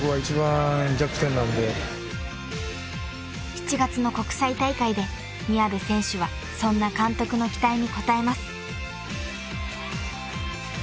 ［７月の国際大会で宮部選手はそんな監督の期待に応えます］